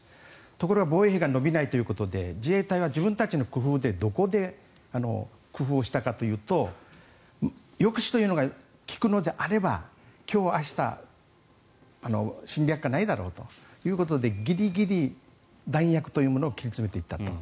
ところが防衛費は伸びないというわけで自衛隊は自分たちの工夫でどこで工夫をしたかというと抑止というのが効くのであれば今日、明日侵略がないだろうということでギリギリ弾薬というものを切り詰めていったと。